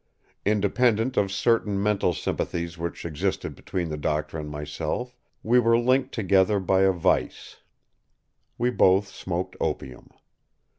Independent of certain mental sympathies which existed between the doctor and myself, we were linked together by a vice. We both smoked opium.